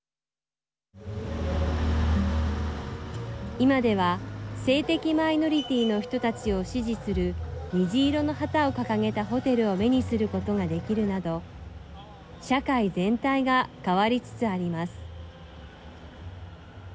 今では性的マイノリティーの人たちを支持する虹色の旗を掲げたホテルを目にすることができるなど社会全体が変わりつつあります。